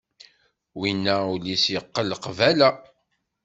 Winna ul-is yeqqel qbala.